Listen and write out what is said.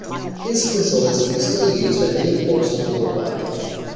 His whistle is still used by many forces worldwide.